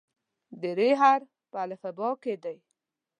د "ر" حرف په الفبا کې دی.